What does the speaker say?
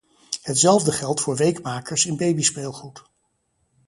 Hetzelfde geldt voor weekmakers in babyspeelgoed.